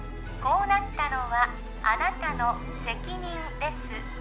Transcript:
こうなったのはあなたの責任です